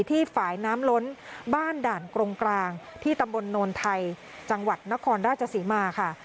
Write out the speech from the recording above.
ฝ่ายน้ำล้นบ้านด่านกรงกลางที่ตำบลโนนไทยจังหวัดนครราชศรีมาค่ะ